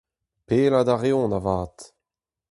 Pellaat a reont avat.